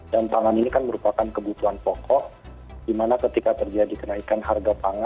dan pangan ini kan merupakan kebutuhan pokok di mana ketika terjadi kenaikan harga pangan